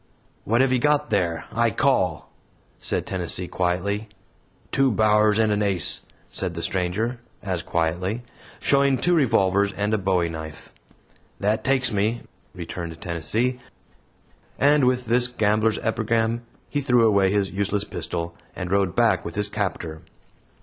"What have you got there? I call," said Tennessee, quietly. "Two bowers and an ace," said the stranger, as quietly, showing two revolvers and a bowie knife. "That takes me," returned Tennessee; and with this gamblers' epigram, he threw away his useless pistol, and rode back with his captor.